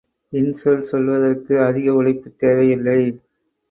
இன்சொல் சொல்வதற்கு அதிக உழைப்புத் தேவையில்லை.